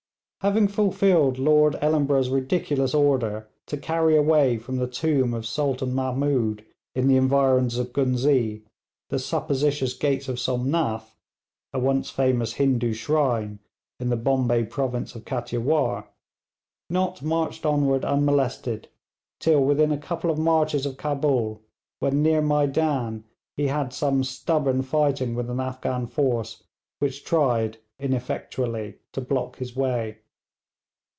Having fulfilled Lord Ellenborough's ridiculous order to carry away from the tomb of Sultan Mahmoud in the environs of Ghuznee, the supposititious gates of Somnath, a once famous Hindoo shrine in the Bombay province of Kattiawar, Nott marched onward unmolested till within a couple of marches of Cabul, when near Maidan he had some stubborn fighting with an Afghan force which tried ineffectually to block his way.